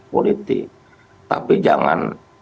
politik tapi jangan